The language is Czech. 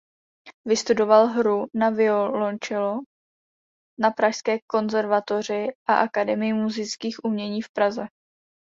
Vystudoval hru na violoncello na Pražské konzervatoři a Akademii múzických umění v Praze.